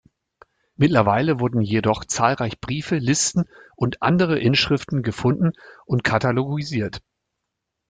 Mittlerweile wurden jedoch zahlreich Briefe, Listen und andere Inschriften gefunden und katalogisiert.